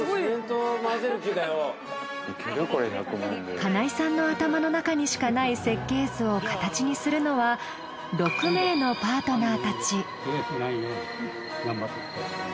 金井さんの頭の中にしかない設計図を形にするのは６名のパートナーたち。